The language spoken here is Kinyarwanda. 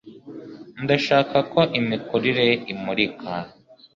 ndashaka ko imikurire imurika